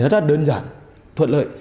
rất là đơn giản thuận lợi